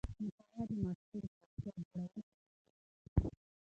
مطالعه د ماشوم د شخصیت جوړونې لپاره مهمه ده.